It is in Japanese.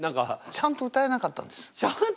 ちゃんと歌えなかった？